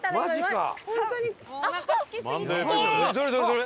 どれ？